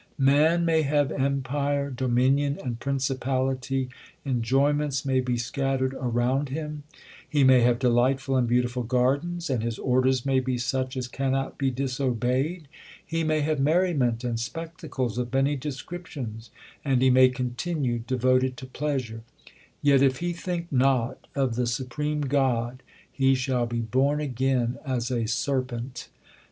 Man may have empire, dominion, and principality ; enjoy ments may be scattered around him ; He may have delightful and beautiful gardens, and his orders may be such as cannot be disobeyed ; He may have merriment and spectacles of many descrip tions, and he may continue devoted to pleasure ; Yet if he think not of the supreme God, he shall be born again as a serpent.